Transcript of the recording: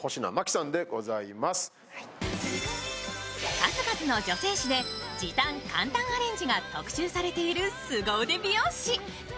数々の女性誌で時短簡単アレンジが特集されているすご腕美容師。